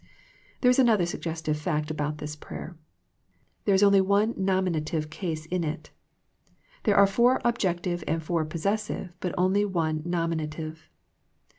There is another suggestive fact about this prayer. There is only one nominative case in it. There are four objective and four possessive, but only one nominative.